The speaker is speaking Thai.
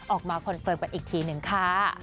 คอนเฟิร์มกันอีกทีหนึ่งค่ะ